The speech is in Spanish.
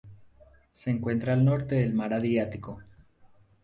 Se encuentra al norte del Mar Adriático.